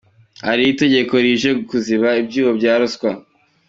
Ati “Iri tegeko rije kuziba ibyuho bya ruswa.